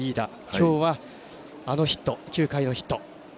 今日は、あのヒット９回のヒット。